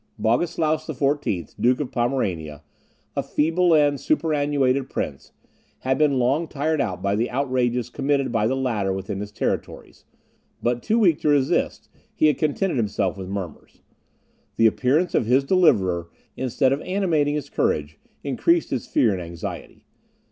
Bogislaus XIV., Duke of Pomerania, a feeble and superannuated prince, had been long tired out by the outrages committed by the latter within his territories; but too weak to resist, he had contented himself with murmurs. The appearance of his deliverer, instead of animating his courage, increased his fear and anxiety.